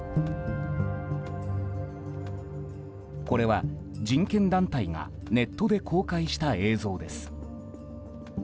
これは人権団体がネットで公開した映像です。